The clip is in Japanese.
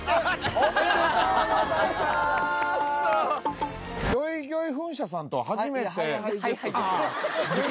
おめでとうございます！